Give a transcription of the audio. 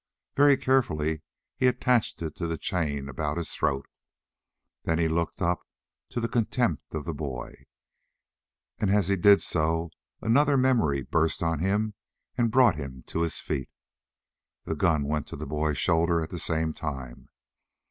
Very carefully he attached it to the chain about his throat. Then he looked up to the contempt of the boy, and as he did so another memory burst on him and brought him to his feet. The gun went to the boy's shoulders at the same time.